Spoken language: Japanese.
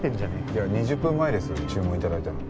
いや２０分前です注文頂いたの。